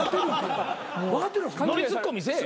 ノリツッコミせえ。